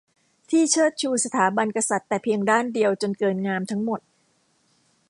ที่เชิดชูสถาบันกษัตริย์แต่เพียงด้านเดียวจนเกินงามทั้งหมด